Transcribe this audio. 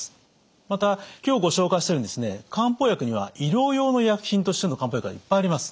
また今日ご紹介したように漢方薬には医療用の医薬品としての漢方薬がいっぱいあります。